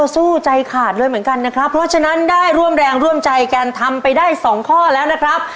สู้ใจขาดเลยเหมือนกันนะครับเพราะฉะนั้นได้ร่วมแรงร่วมใจกันทำไปได้สองข้อแล้วนะครับ